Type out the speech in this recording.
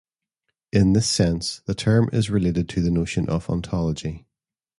In this sense, the term is related to the notion of ontology.